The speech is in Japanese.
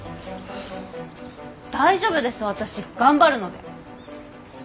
大丈夫です私頑張るので。